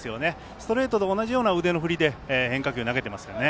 ストレートと同じような腕の振りで変化球投げてますね。